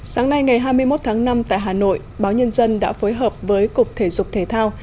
sáng nay ngày hai mươi một tháng năm tại hà nội báo nhân dân đã phối hợp với cục thể dục thể thao